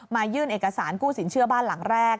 ยื่นเอกสารกู้สินเชื่อบ้านหลังแรก